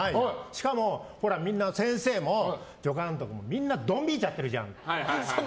しかも先生も助監督もみんなドン引いちゃってるじゃん。